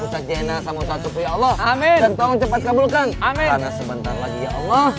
ustadz jena sama ustadz sepuh ya allah amin cepat kabulkan amin sebentar lagi ya allah